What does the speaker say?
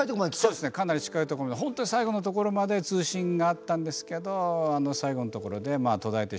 そうですねかなり近いところまで本当に最後のところまで通信があったんですけど最後のところで途絶えてしまったと。